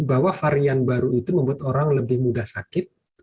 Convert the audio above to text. bahwa varian baru itu membuat orang lebih mudah sakit